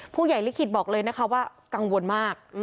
ผู้ใหญ่ลิขีดบอกเลยนะคะว่ากังวลมาก